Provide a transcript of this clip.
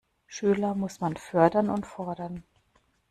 Schüler muss man fördern und fordern.